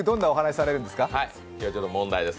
問題です。